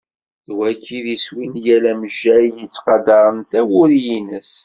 D wagi i d iswi n yal amejjay i yettqadaren tawuri-ines.